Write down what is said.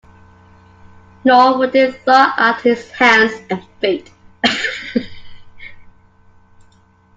Nor would it thaw out his hands and feet.